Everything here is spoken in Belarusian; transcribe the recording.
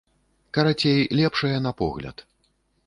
Карацей, лепшае на наш погляд.